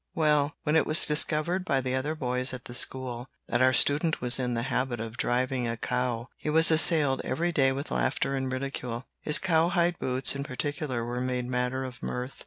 "Well, when it was discovered by the other boys at the school that our student was in the habit of driving a cow, he was assailed every day with laughter and ridicule. His cowhide boots in particular were made matter of mirth.